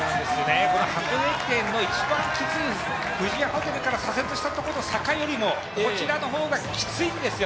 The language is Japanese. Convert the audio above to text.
この箱根駅伝の一番きつい富士屋ホテルを左折したところの坂よりもこちらの方がきついんです。